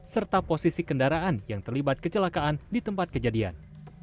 serta posisi kendaraan yang terlibat kecelakaan di tempat kejadian